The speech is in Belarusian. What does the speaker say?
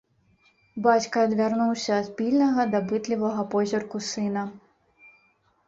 Бацька адвярнуўся ад пільнага, дапытлівага позірку сына.